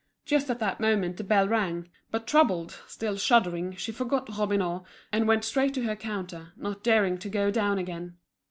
Just at that moment the bell rang; but troubled, still shuddering, she forgot Robineau, and went straight to her counter, not daring to go down again.